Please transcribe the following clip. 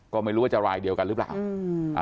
ก็ไม่รู้ว่าจะรายเดียวกันหรือเปล่า